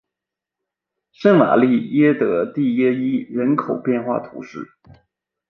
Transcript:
圣瓦利耶德蒂耶伊人口变化图示